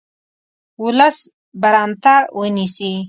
ولس برمته ونیسي.